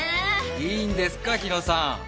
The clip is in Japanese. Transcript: いいんですか日野さん！